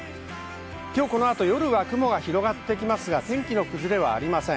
この後、夜、雲が広がっていきますが、天気の崩れはありません。